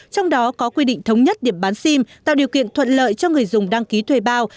trong đó có quy định thống nhất điểm bán sim tạo điều kiện thuận lợi cho người dùng đăng ký thuê bao